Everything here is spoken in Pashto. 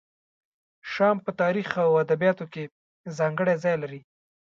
شام په تاریخ او ادبیاتو کې ځانګړی ځای لري.